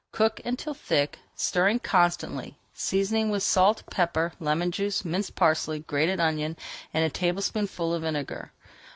Cook until thick, stirring constantly, seasoning with salt, pepper, lemon juice, minced parsley, grated onion, and a tablespoonful of vinegar.